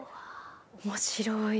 面白い！